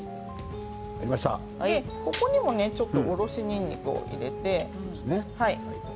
ここにもちょっとおろしにんにくを入れて。